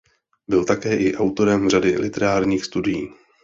Byl také i autorem řady literárních studií.